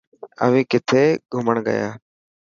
اوهين کٿي گھمڻ گيا.